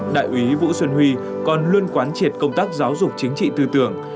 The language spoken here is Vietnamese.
đại úy vũ xuân huy còn luôn quán triệt công tác giáo dục chính trị tư tưởng